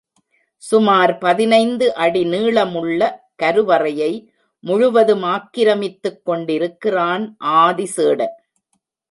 சுமார் பதினைந்து அடி நீளமுள்ள கருவறையை முழுவதும் ஆக்கிரமித்துக் கொண்டிருக்கிறான் ஆதிசேடன்.